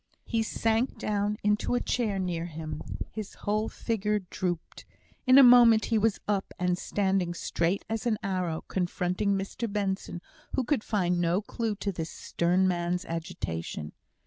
He sank down into a chair near him. His whole figure drooped. In a moment he was up, and standing straight as an arrow, confronting Mr Benson, who could find no clue to this stern man's agitation.